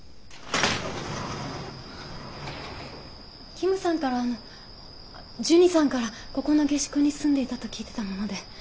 キムさんからあのジュニさんからここの下宿に住んでいたと聞いてたもので。